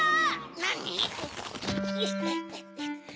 なに？